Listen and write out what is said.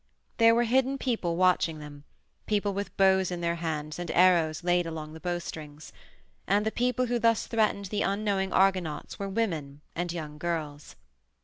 There were hidden people watching them, people with bows in their hands and arrows laid along the bowstrings. And the people who thus threatened the unknowing Argonauts were women and young girls.